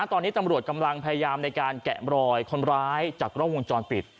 ตอนนี้ตำรวจกำลังพยายามในการแกะรอยคนร้ายจากกล้องวงจรปิด